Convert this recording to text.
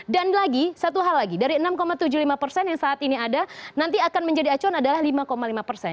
dan lagi satu hal lagi dari enam tujuh puluh lima persen yang saat ini ada nanti akan menjadi acuan adalah lima lima persen